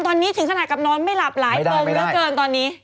ตอนนี้ถึงขนาดกับนอนไม่หลับหลายปมเหลือเกินตอนนี้